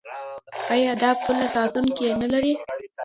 آیا دا پوله ساتونکي نلري؟